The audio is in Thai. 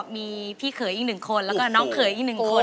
มีพี่เผยอีกหนึ่งคนแล้วก็น้องเผยอีกหนึ่งคน